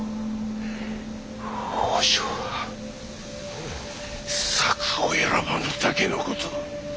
北条は策を選ばぬだけのこと。